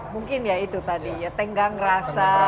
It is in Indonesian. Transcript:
mungkin ya itu tadi ya tenggang rasa